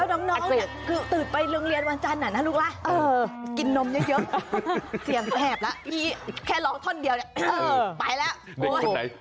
แล้วน้องเนี่ยตื่นไปลงเรียนวันจันทร์อ่ะนะลูกล่ะ